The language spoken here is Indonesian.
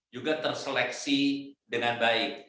juga terseleksi dengan baik